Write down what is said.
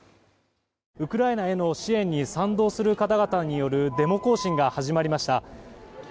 ウクライナへの支援に賛同する方々によるデモ行進が始まりました。